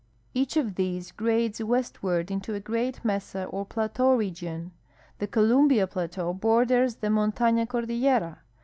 Each of these grades westw'ard into a great mesa or plateau region. The Co lumbia plateau borders the Montana cordillera.